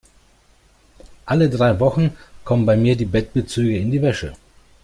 Alle drei Wochen kommen bei mir die Bettbezüge in die Wäsche.